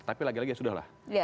tapi lagi lagi ya sudah lah